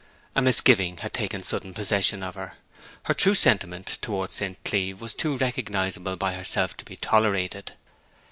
A misgiving had taken sudden possession of her. Her true sentiment towards St. Cleeve was too recognizable by herself to be tolerated.